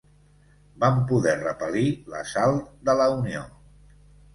Van poder repel·lir l'assalt de la Unió.